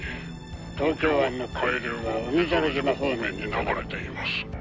東京湾の海流は海猿島方面に流れています。